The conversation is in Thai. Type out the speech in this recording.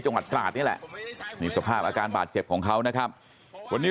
จังหวัดตราดนี่แหละนี่สภาพอาการบาดเจ็บของเขานะครับวันนี้